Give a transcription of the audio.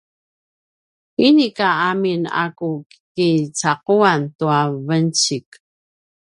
inika amin a ku kicaquan tua vencik